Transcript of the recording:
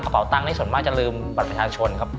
เป็นที่ส่วนมากจะลืมบัตรประชาชนครับ